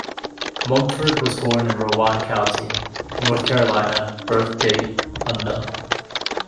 Mumford was born in Rowan County, North Carolina, birth date unknown.